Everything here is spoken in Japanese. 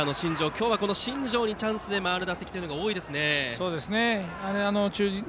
今日は新庄にチャンスで回る打席が多いですね。